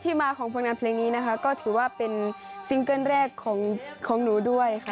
มาของผลงานเพลงนี้นะคะก็ถือว่าเป็นซิงเกิ้ลแรกของหนูด้วยค่ะ